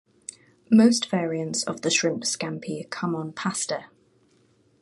Most variants of the "shrimp scampi" come on pasta.